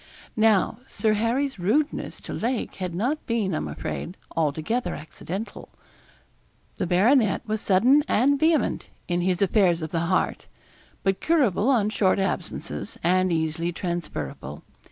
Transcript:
Now, Sir Harry's rudeness to Lake had not been, I am afraid, altogether accidental. The baronet was sudden and vehement in his affairs of the heart; but curable on short absences, and easily transferable.